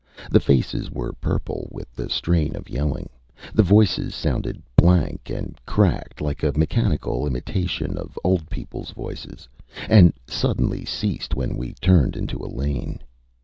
The faces were purple with the strain of yelling; the voices sounded blank and cracked like a mechanical imitation of old peopleÂs voices; and suddenly ceased when we turned into a lane.